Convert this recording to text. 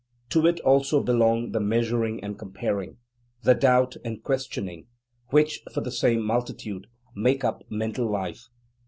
To it also belong the measuring and comparing, the doubt and questioning, which, for the same multitude, make up mental life.